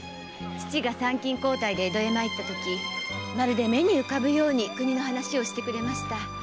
父が参勤交代で江戸へ参ったときまるで目に浮かぶように国の話をしてくれました。